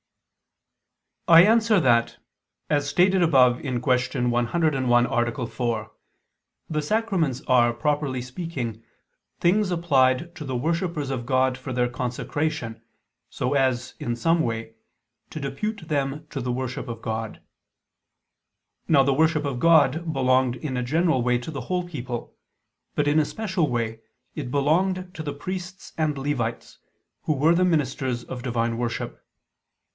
I answer that, As stated above (Q. 101, A. 4), the sacraments are, properly speaking, things applied to the worshippers of God for their consecration so as, in some way, to depute them to the worship of God. Now the worship of God belonged in a general way to the whole people; but in a special way, it belonged to the priests and Levites, who were the ministers of divine worship.